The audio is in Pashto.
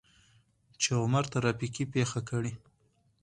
چې عمر ترافيکي پېښه کړى.